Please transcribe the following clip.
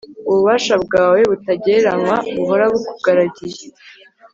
ububasha bwawe butagereranywa buhora bukugaragiye